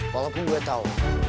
walaupun gue tahu